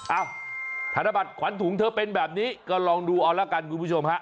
เอ้าธนบัตรขวัญถุงเธอเป็นแบบนี้ก็ลองดูเอาละกันคุณผู้ชมฮะ